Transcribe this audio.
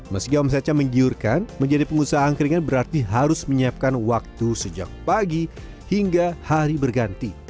meski omsetnya menggiurkan menjadi pengusaha angkringan berarti harus menyiapkan waktu sejak pagi hingga hari berganti